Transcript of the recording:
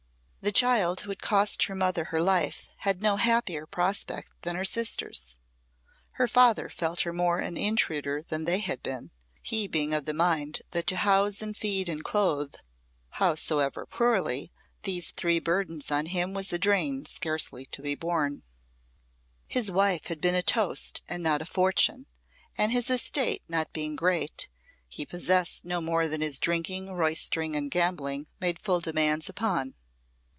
The child who had cost her mother her life had no happier prospect than her sisters. Her father felt her more an intruder than they had been, he being of the mind that to house and feed and clothe, howsoever poorly, these three burdens on him was a drain scarcely to be borne. His wife had been a toast and not a fortune, and his estate not being great, he possessed no more than his drinking, roystering, and gambling made full demands upon.